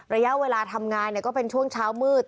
ระยะเวลาทำงานก็เป็นช่วงเช้ามืด